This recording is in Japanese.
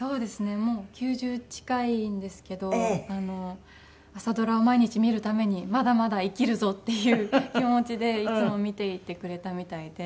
もう９０近いんですけど朝ドラを毎日見るためにまだまだ生きるぞっていう気持ちでいつも見ていてくれたみたいで。